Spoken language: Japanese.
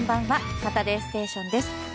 「サタデーステーション」です。